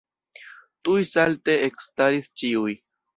Tuj salte ekstaris ĉiuj.